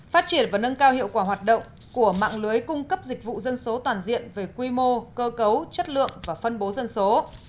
phát triển và nâng cao hiệu quả hoạt động của mạng lưới cung cấp dịch vụ dân số toàn diện về quy mô cơ cấu chất lượng và phân bố dân số